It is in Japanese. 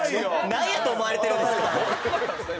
なんやと思われてるんですか。